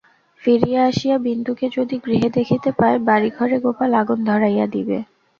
ফিরিয়া আসিয়া বিন্দুকে যদি গৃহে দেখিতে পায় বাড়িঘরে গোপাল আগুন ধরাইয়া দিবে।